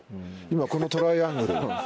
今このトライアングル。